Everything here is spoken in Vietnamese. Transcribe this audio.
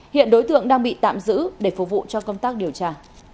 hiện đối tượng đang bị tạm giữ để phục vụ cho công tác điều tra